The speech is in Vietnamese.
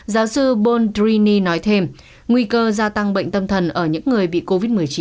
giáo sư bold drini nói thêm nguy cơ gia tăng bệnh tâm thần ở những người bị covid một mươi chín